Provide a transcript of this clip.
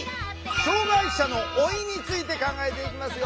「障害者の老い」について考えていきますよ。